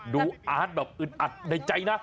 อาร์ตแบบอึดอัดในใจนะ